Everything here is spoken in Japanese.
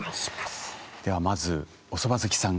ではまずおそば好きさん